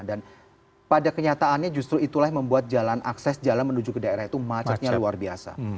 dan pada kenyataannya justru itulah yang membuat jalan akses jalan menuju ke daerah itu macetnya luar biasa